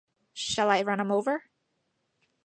Shall I run 'em over?